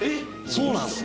そうなんですね